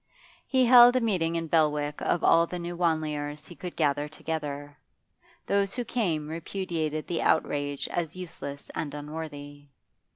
He held a meeting in Belwick of all the New Wanleyers he could gather together: those who came repudiated the outrage as useless and unworthy.